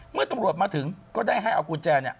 เมื่อตำรวจมาถึงก็ได้ให้เอากุญแจเนี่ย